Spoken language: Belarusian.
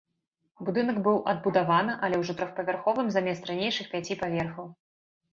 Будынак быў адбудавана, але ўжо трохпавярховым замест ранейшых пяці паверхаў.